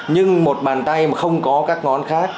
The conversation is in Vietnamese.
nhưng một bàn tay mà không có các ngón khác